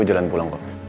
ini mau jalan pulang kok